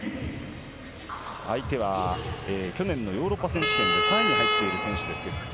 相手は去年のヨーロッパ選手権で３位に入っている選手です。